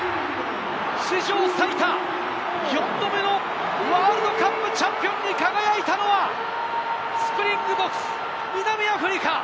史上最多４度目のワールドカップチャンピオンに輝いたのはスプリングボクス、南アフリカ！